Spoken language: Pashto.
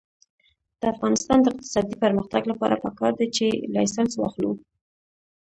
د افغانستان د اقتصادي پرمختګ لپاره پکار ده چې لایسنس واخلو.